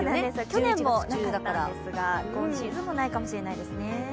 去年もなかったんですが、今シーズンもないかもしれないですね。